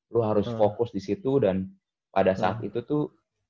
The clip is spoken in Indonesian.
lo harus fokus di situ dan pada saat itu tuh